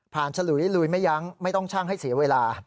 ฉลุยลุยไม่ยั้งไม่ต้องชั่งให้เสียเวลา